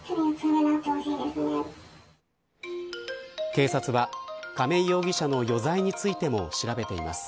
警察は亀井容疑者の余罪についても調べています。